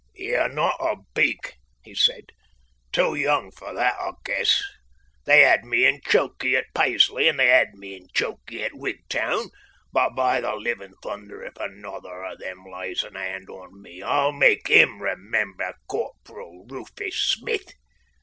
"You're not a beak," he said, "too young for that, I guess. They had me in chokey at Paisley and they had me in chokey at Wigtown, but by the living thunder if another of them lays a hand on me I'll make him remember Corporal Rufus Smith!